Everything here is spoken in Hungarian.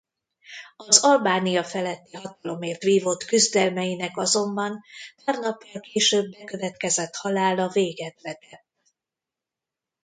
Az Albánia feletti hatalomért vívott küzdelmeinek azonban pár nappal később bekövetkezett halála véget vetett.